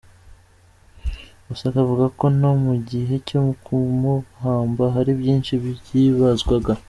Gusa akavuga ko no mu gihe cyo kumuhamba hari byinshi byibazwaga.